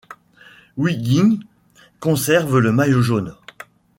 Wiggins conserve le maillot jaune.